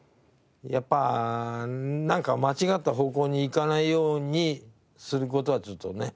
やっぱなんか間違った方向に行かないようにする事はちょっとね。